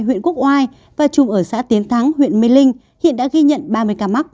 huyện quốc oai và chung ở xã tiến thắng huyện mê linh hiện đã ghi nhận ba mươi ca mắc